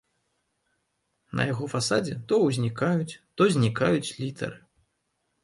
На яго фасадзе то ўзнікаюць, то знікаюць літары.